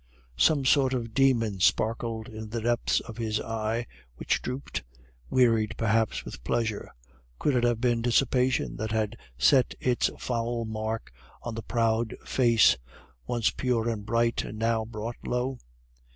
Some sort of demon sparkled in the depths of his eye, which drooped, wearied perhaps with pleasure. Could it have been dissipation that had set its foul mark on the proud face, once pure and bright, and now brought low?